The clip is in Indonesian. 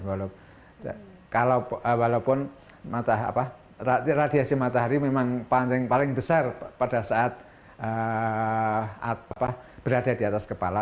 walaupun radiasi matahari memang paling besar pada saat berada di atas kepala